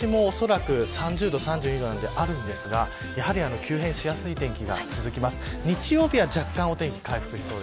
東京も曇りマーク日差しもおそらく３０度、３２度なのであるんですがやはり急変しやすい天気が続きます。